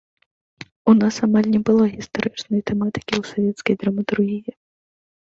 У нас амаль не было гістарычнай тэматыкі ў савецкай драматургіі.